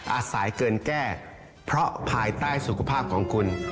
อาศัยเกินแก้เพราะภายใต้สุขภาพของคุณ